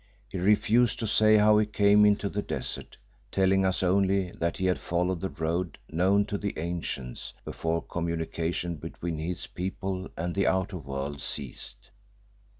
He refused to say how he came into the desert, telling us only that he had followed the road known to the ancients before communication between his people and the outer world ceased.